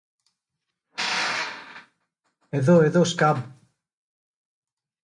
Εδώ! Εδώ, Σκαμπ!